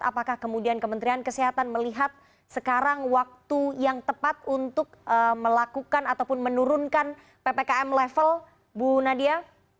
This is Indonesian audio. apakah kemudian kementerian kesehatan melihat sekarang waktu yang tepat untuk melakukan ataupun menurunkan ppkm level bu nadia